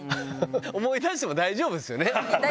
思い出しても大丈夫ですよね。